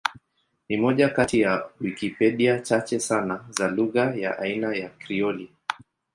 Ni moja kati ya Wikipedia chache sana za lugha ya aina ya Krioli.